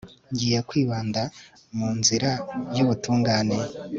ngiye kwibanda ku nzira y'ubutungane